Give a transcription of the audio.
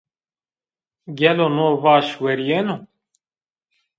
Gelo no vaş werîyeno?